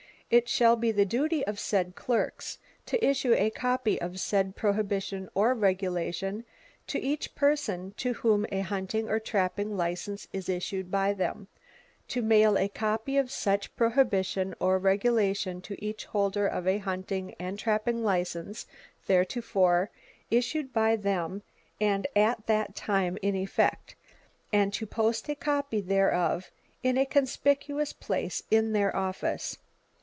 It shall be the duty of said clerks to issue a copy of said prohibition or regulation to each person to whom a hunting or trapping license is issued by them; to mail a copy of such prohibition or regulation to each holder of a hunting and trapping license theretofore issued by them and at that time in effect, and to post a copy thereof in a conspicuous place in their office.